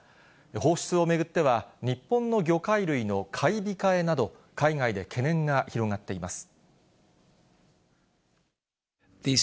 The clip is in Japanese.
放出を巡っては、日本の魚介類の買い控えなど、海外で懸念が広がっています。